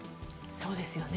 そうですよね。